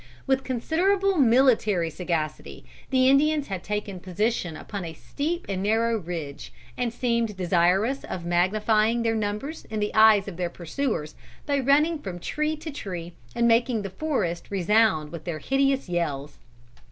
With considerable military sagacity, the Indians had taken position upon a steep and narrow ridge, and seemed desirous of magnifying their numbers in the eyes of their pursuers by running from tree to tree and making the forest resound with their hideous yells.